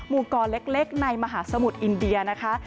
ูกรเล็กในมหาสมุทรอินเดียนะคะ